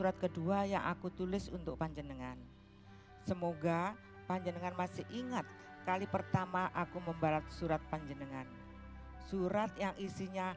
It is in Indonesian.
pada men gammaement di mlewar anymore